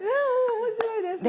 面白いですね。